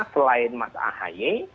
selain mas ahy